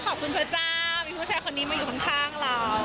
ขอบคุณพระเจ้าอีกผู้ชายคนที่อยู่ข้างเรา